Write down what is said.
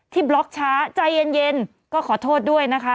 บล็อกช้าใจเย็นก็ขอโทษด้วยนะคะ